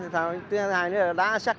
thứ hai nữa là đá sắc